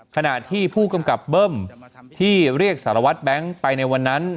ขณะที่ผู้กำกับเบิ้มที่เรียกสารวัตรแบงค์ไปในวันนั้น